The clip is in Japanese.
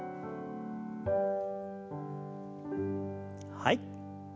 はい。